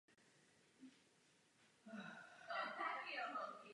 Jsou vytvořeny nozdry.